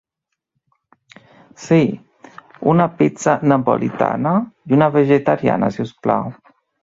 Si, una pizza napolitana i una vegetariana si us plau.